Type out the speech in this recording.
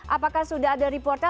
apakah sudah ada reportnya